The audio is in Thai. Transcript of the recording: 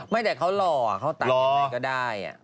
ไม่แต่เขาหล่อเขาตามยังไงก็ได้